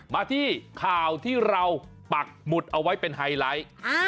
มาที่ข่าวที่เราปักหมุดเอาไว้เป็นไฮไลท์